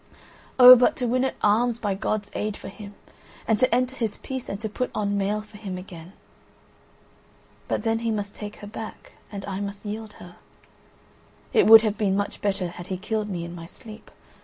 O, but to win at arms by God's aid for him, and to enter his peace and to put on mail for him again … but then he must take her back, and I must yield her … it would have been much better had he killed me in my sleep.